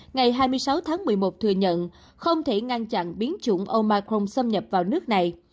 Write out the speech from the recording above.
ngày hai mươi sáu tháng một mươi một thừa nhận không thể ngăn chặn biến chủng omicron xâm nhập vào nước này